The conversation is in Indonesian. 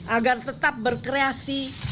agar tetap berkreasi